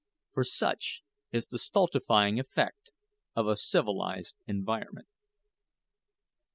For such is the stultifying effect of a civilized environment.